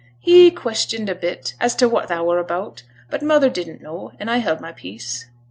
'He questioned a bit as to what thou were about, but mother didn't know, an' I held my peace.